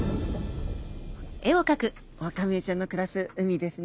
オオカミウオちゃんの暮らす海ですね。